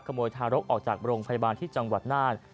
โมทารกออกจากโรงพยาบาลที่จังหวัดน่าน